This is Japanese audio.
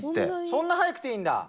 そんな速くていいんだ。